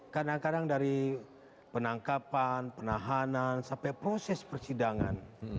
kadang kadang dari penangkapan penahanan sampai proses persidangan